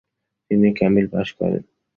তিনি কামিল পাশ করেন।